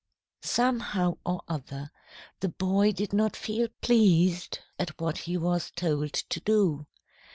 "Somehow or other, the boy did not feel pleased at what he was told to do.